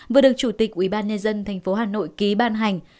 vừa được chủ tịch ubnd tp hà nội ký ban hành